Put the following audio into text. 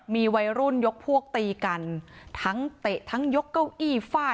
มีวัยรุ่นยกพวกตีกันทั้งเตะทั้งยกเก้าอี้ฟาด